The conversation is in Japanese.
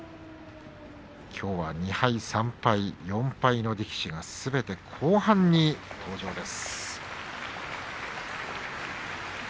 きょうは２敗、３敗、４敗の力士がすべて後半に登場です。